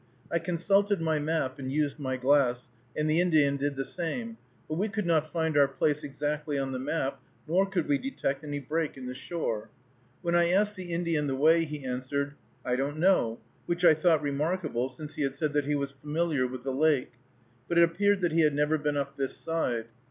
I consulted my map and used my glass, and the Indian did the same, but we could not find our place exactly on the map, nor could we detect any break in the shore. When I asked the Indian the way, he answered, "I don't know," which I thought remarkable, since he had said that he was familiar with the lake; but it appeared that he had never been up this side.